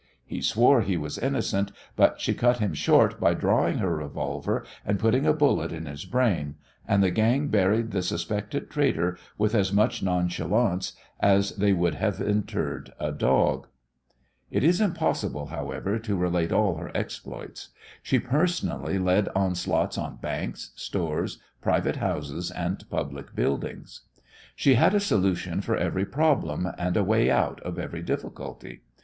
He swore he was innocent, but she cut him short by drawing her revolver and putting a bullet in his brain, and the gang buried the suspected traitor with as much nonchalance as they would have interred a dog. It is impossible, however, to relate all her exploits. She personally led onslaughts on banks, stores, private houses, and public buildings. She had a solution for every problem and a way out of every difficulty.